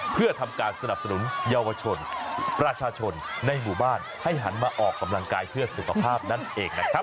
เพื่อทำการสนับสนุนเยาวชนประชาชนในหมู่บ้านให้หันมาออกกำลังกายเพื่อสุขภาพนั่นเองนะครับ